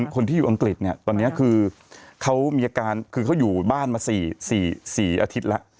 คนที่อยู่อังกฤษเนี่ยตอนนี้คือเขามีอาการคือเขาอยู่บ้านมา๔อาทิตย์แล้ว